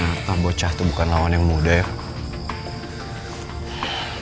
ternyata bocah tuh bukan lawan yang muda ya